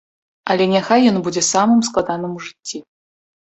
Але няхай ён будзе самым складаным у жыцці.